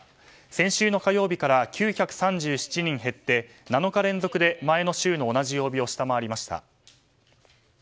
先週の火曜日から９３７人減って７日連続で前の週の同じ曜日を下回りました。